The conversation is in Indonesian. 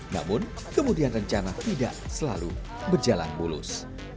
namun kemudian rencana tidak selalu berjalan mulus